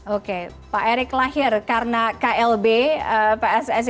oke pak erick lahir karena klb pssi